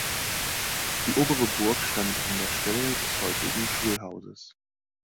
Die obere Burg stand an der Stelle des heutigen Schulhauses.